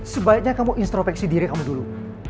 sebaiknya kamu instropeksi diri kamu dulu